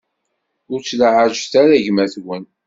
Ur ttlaɛajet ara gma-twen.